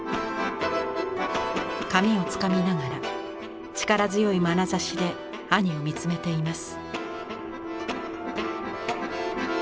髪をつかみながら力強いまなざしで兄を見つめています。